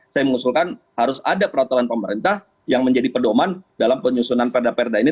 saya mengusulkan harus ada peraturan pemerintah yang menjadi pedoman dalam penyusunan perda perda ini